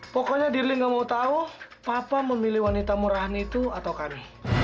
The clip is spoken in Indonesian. pokoknya dirli nggak mau tahu papa memilih wanita murahan itu atau kami